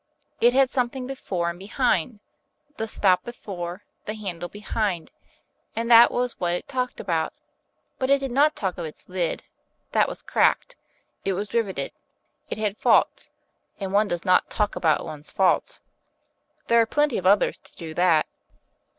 It had something before and behind the spout before, the handle behind and that was what it talked about. But it did not talk of its lid that was cracked, it was riveted, it had faults; and one does not talk about one's faults there are plenty of others to do that.